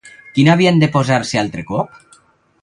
Quina havien de posar-se altre cop?